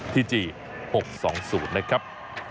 ที่จี๖๒๐นะครับ